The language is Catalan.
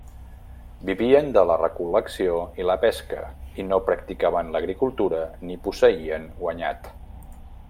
Vivien de la recol·lecció i la pesca, i no practicaven l'agricultura ni posseïen guanyat.